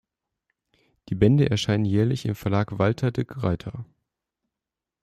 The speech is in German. Die Bände erscheinen jährlich im Verlag Walter de Gruyter.